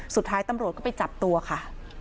สุดท้ายตำรวจก็ไปจับตัวค่ะ